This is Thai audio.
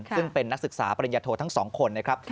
ซึ่งเป็นนักศึกษาปริญญาโททั้ง๒คนนะครับ